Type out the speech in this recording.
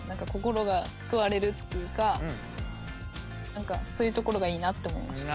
何かそういうところがいいなって思いました。